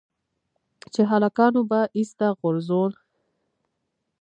چې هلکانو به ايسته غورځول.